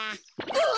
あ！